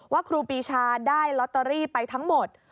ครูปีชาได้ลอตเตอรี่ไปทั้งหมด